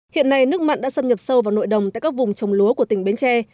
hiện nay nước mặn đã xâm nhập sâu vào nội đồng tại các vùng trồng lúa của tỉnh bến tre